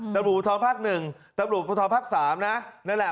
ตรรวจบุตรภักดิ์๑ตรรวจบุตรภักดิ์๓นะนั่นแหละ